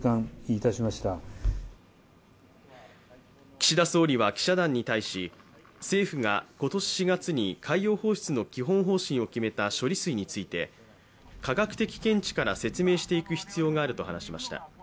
岸田総理は、記者団に対し政府が今年４月に海洋放出の基本方針を決めた処理水について、科学的見地から説明していく必要があると話しました。